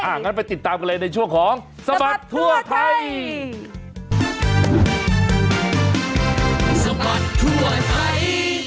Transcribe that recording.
งั้นไปติดตามกันเลยในช่วงของสบัดทั่วไทย